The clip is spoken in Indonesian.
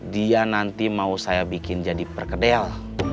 dia nanti mau saya bikin jadi perkedel